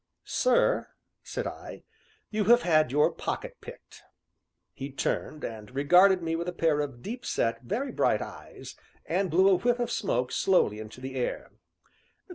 "Sir," said I, "you have had your pocket picked." He turned and regarded me with a pair of deep set, very bright eyes, and blew a whiff of smoke slowly into the air.